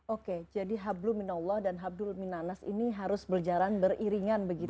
oke jadi hablun minnallah dan hablun minannas ini harus berjalan beriringan begitu ya